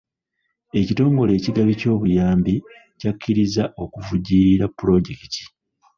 Ekitongole ekigabi ky'obuyambi kyakkirizza okuvujjirira pulojekiti.